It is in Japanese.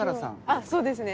あっそうですね。